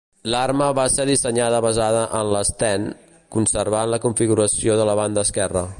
L'arma va ser dissenyada basada en la Sten, conservant la configuració de la banda esquerra.